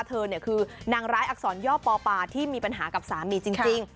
เธอคือนางร้ายอักษรย่อปอปาที่มีปัญหากับสามีจริง